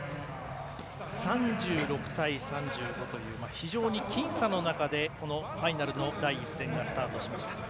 ３６対３５という非常に僅差の中でこのファイナルの第１戦がスタートしました。